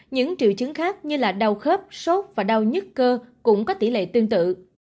những triệu chứng khác như là đau khớp sốt và đau nhứt cơ cũng có tỷ lệ tương tự